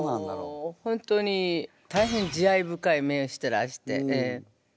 本当に大変慈愛深い目してらして。